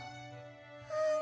うん。